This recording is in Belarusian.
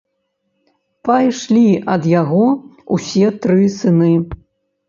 Пайшлі ад яго ўсе тры сыны.